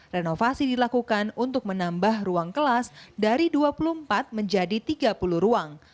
renovasi dilakukan untuk menambah ruang kelas dari dua puluh empat menjadi tiga puluh ruang